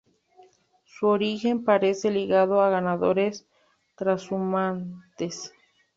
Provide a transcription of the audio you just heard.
Su origen parece ligado a ganaderos trashumantes.